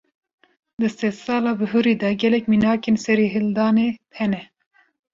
Di sedsala bihurî de, gelek mînakên serîhildanê hene